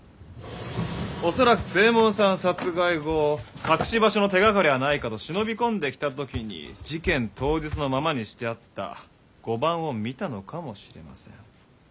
恐らく津右衛門さん殺害後隠し場所の手がかりはないかと忍び込んできた時に事件当日のままにしてあった碁盤を見たのかもしれません。